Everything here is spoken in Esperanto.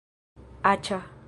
aĉa